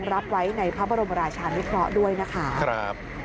สงรับไว้ในพระบรมราชานิคระด้วยนะคะ